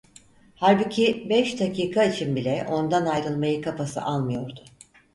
Halbuki beş dakika için bile ondan ayrılmayı kafası almıyordu.